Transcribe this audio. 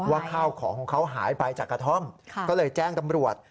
ข้าวของของเขาหายไปจากกระท่อมก็เลยแจ้งตำรวจ